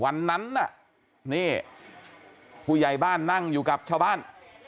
วันนั้นน่ะนี่ผู้ใหญ่บ้านนั่งอยู่กับชาวบ้าน